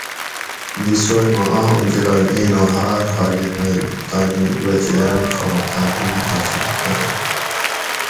دی سوئے ما اہم جولاگ اِینوں ہاۤر حالت مئی تانی بچیاۤن ڛا تعلیم حاصل کرا